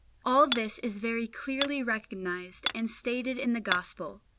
All this is very clearly recognised and stated in the Gospel.